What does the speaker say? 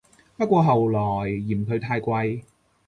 不過後來嫌佢太貴